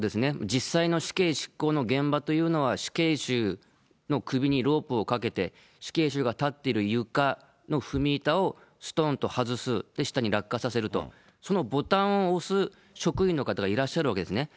実際の死刑執行の現場というのは、死刑囚の首にロープをかけて、死刑囚が立っている床の踏み板をすとんと外す、で、下に落下させると、そのボタンを押す職員の方がいらっしゃるわけですね。